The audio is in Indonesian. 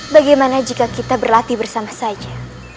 bagaimana jika kita berlatih bersama saja